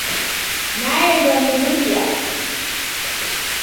Naendwa ni w'uria.